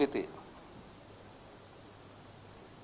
dalam penyidikan pak